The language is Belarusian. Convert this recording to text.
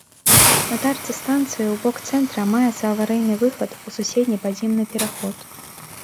На тарцы станцыі ў бок цэнтра маецца аварыйны выхад у суседні падземны пераход.